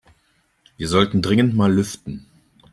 Wir sollten dringend mal lüften.